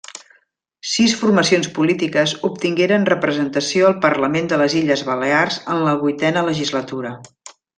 Sis formacions polítiques obtingueren representació al Parlament de les Illes Balears en la Vuitena Legislatura.